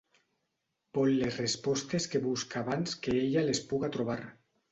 Vol les respostes que busca abans que ella les puga trobar.